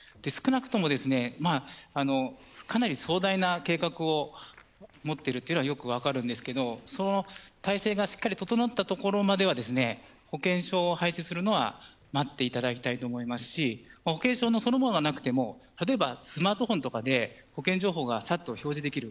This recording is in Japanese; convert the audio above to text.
少なくとも、かなり壮大な計画を持っているというのはよく分かりますがその体制がしっかりと整ったところまでは保険証を廃止するのは待っていただきたいと思いますし保険証そのものがなくても例えば、スマートフォンとかで保険情報が表示できる。